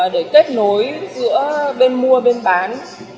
để kết nối giữa bên mua bên bán